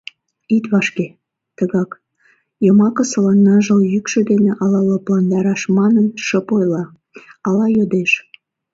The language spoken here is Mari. — Ит вашке, — тыгак, йомакысыла ныжыл йӱкшӧ дене ала лыпландараш манын, шып ойла, ала йодеш.